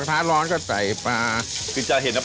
ผงปรุงรสแล้วก็ตามด้วยน้ำตาลสาย